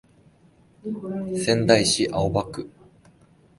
仙台市青葉区